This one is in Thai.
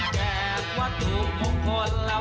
ขอให้รวยนะครับ